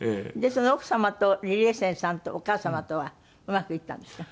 その奥様と李麗仙さんとお母様とはうまくいったんですか？